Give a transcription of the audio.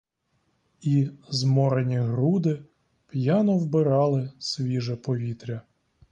І зморені груди п'яно вбирали свіже повітря.